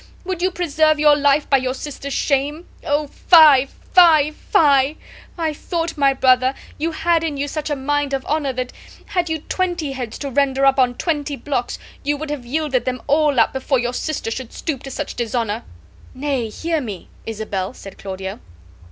"Would you preserve your life by your sister's shame? Oh, fie, fie, fie! I thought, my brother, you had in you such a mind of honor that, had you twenty heads to render up on twenty blocks, you would have yielded them up all before your sister should stoop to such dishonor." "Nay, hear me, Isabel!" said Claudio.